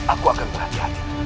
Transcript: aku akan berhati hati